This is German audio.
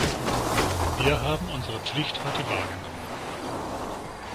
Wir haben unsere Pflicht heute wahrgenommen.